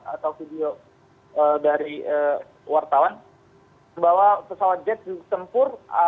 atau video dari wartawan bahwa pesawat jet tempur